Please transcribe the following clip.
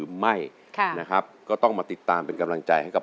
โทษใจโทษใจโทษใจโทษใจโทษใจโทษใจโทษใจโทษใจ